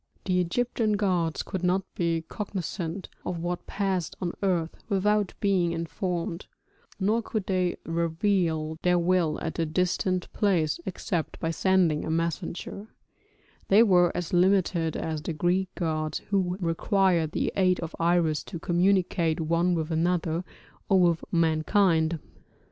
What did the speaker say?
The Egyptian gods could not be cognisant of what passed on earth without being informed, nor could they reveal their will at a distant place except by sending a messenger; they were as limited as the Greek gods who required the aid of Iris to communicate one with another or with mankind.